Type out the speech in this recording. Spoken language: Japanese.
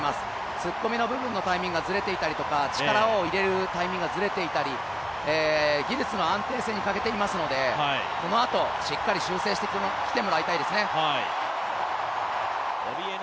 突っ込みの部分のタイミングがずれていたりとか、力を入れるタイミングがずれていたり、技術の安定性に欠けていますのでこのあとしっかり修正してきてもらいたいですね。